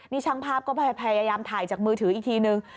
นี่ช่างภาพก็พยายามถ่ายจากมือถืออีกทีนึง